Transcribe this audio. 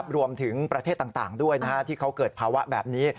ประเทศต่างด้วยที่เขาเกิดภาวะแบบนี้